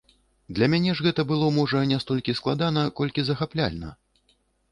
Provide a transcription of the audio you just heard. Для мяне ж гэта было, можа, не столькі складана, колькі захапляльна.